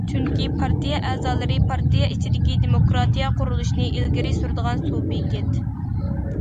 چۈنكى، پارتىيە ئەزالىرى پارتىيە ئىچىدىكى دېموكراتىيە قۇرۇلۇشىنى ئىلگىرى سۈرىدىغان سۇبيېكت.